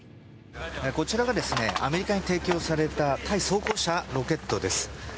こちらがアメリカに提供された対装甲車ロケットです。